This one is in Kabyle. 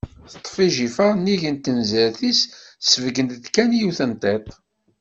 Teṭṭef ijifer nnig n tinezrt-is, tessebgan-d kan yiwet n tiṭ.